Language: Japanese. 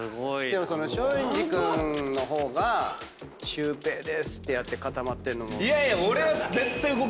でも松陰寺君の方がシュウペイでーすってやって固まってんのも。